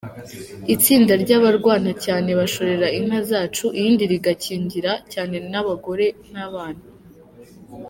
Itsinda ry’abarwana cyane bashorera inka zacu, irindi rigakingira cyane abagore n’abana.